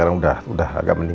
ini sih isu bouchar pun